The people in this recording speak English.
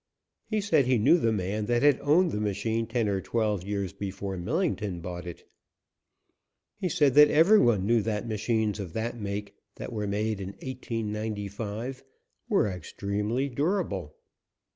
He said he knew the man that had owned the machine ten or twelve years before Millington bought it. He said that every one knew that machines of that make that were made in 1895 were extremely durable.